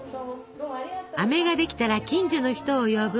あめができたら近所の人を呼ぶ。